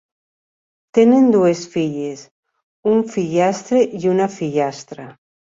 Tenen dues filles, un fillastre i una fillastra.